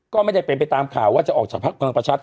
ก็ไม่ได้เป็นไปตามข่าวว่าจะออกจากพักพลังประชา